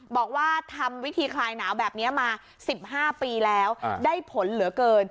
บอกว่าทำวิธีคลายหนาวแบบนี้มา๑๕ปีแล้วได้ผลเหลือเกิน